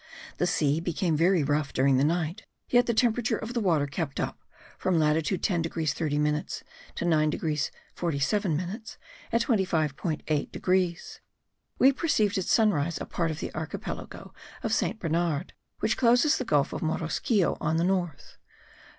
The sea became very rough during the night yet the temperature of the water kept up (from latitude 10 degrees 30 minutes, to 9 degrees 47 minutes) at 25.8 degrees. We perceived at sunrise a part of the archipelago* of Saint Bernard, which closes the gulf of Morrosquillo on the north.